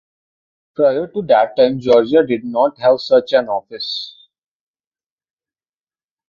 Prior to that time, Georgia did not have such an office.